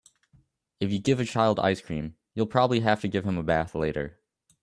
If you give a child ice cream, you'll probably have to give him a bath later.